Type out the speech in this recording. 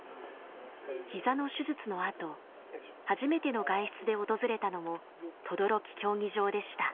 ひざの手術のあと初めての外出で訪れたのも等々力競技場でした。